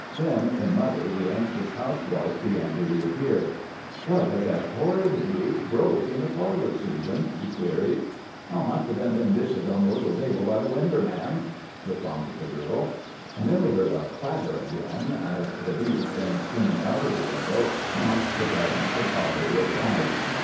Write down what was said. Then in mother the anxious housewife began to reappear. "'What was that the horrid brute broke in the parlor, Susan?' she queried. "'Must a' been them dishes on the little table by the winder, ma'am,' responded the girl. "And then we heard a clatter again, as the beast, in springing out of the window, knocked the fragments of pottery aside.